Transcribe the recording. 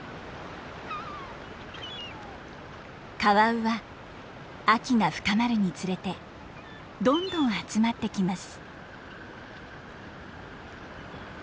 カワウは秋が深まるにつれてどんどん集まってきます。